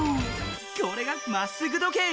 これが「まっすぐ時計」。